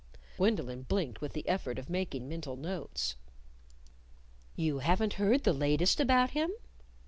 Gwendolyn blinked with the effort of making mental notes. "You haven't heard the latest about him?"